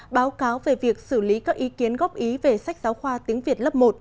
báo cáo về việc xử lý các ý kiến góp ý về sách giáo khoa tiếng việt lớp một